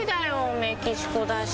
メキシコだし。